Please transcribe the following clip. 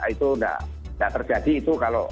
itu tidak terjadi itu kalau